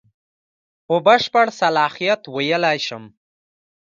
په بشپړ صلاحیت ویلای شم.